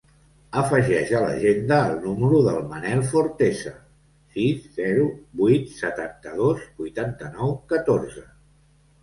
Afegeix a l'agenda el número del Manel Forteza: sis, zero, vuit, setanta-dos, vuitanta-nou, catorze.